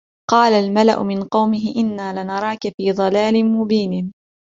قَالَ الْمَلَأُ مِنْ قَوْمِهِ إِنَّا لَنَرَاكَ فِي ضَلَالٍ مُبِينٍ